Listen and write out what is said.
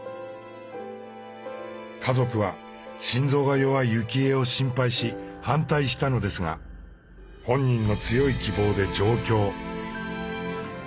家族は心臓が弱い幸恵を心配し反対したのですが本人の強い希望で上京。